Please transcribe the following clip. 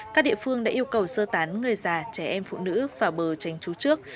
các địa phương đã yêu cầu sơ tán người già trẻ em phụ nữ vào bờ tránh trú trước